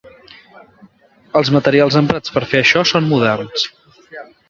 Els materials emprats per fer això són moderns.